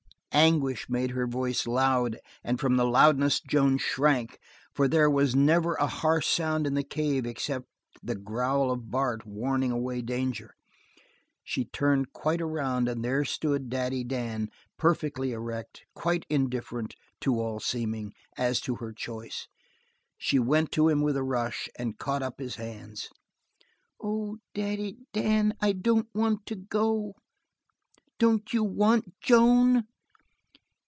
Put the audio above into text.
Anguish made her voice loud, and from the loudness Joan shrank, for there was never a harsh sound in the cave except the growl of Bart warning away danger. She turned quite around and there stood Daddy Dan, perfectly erect, quite indifferent, to all seeming, as to her choice. She went to him with a rush and caught at his hands. "Oh, Daddy Dan, I don't want to go. Don't you want Joan?"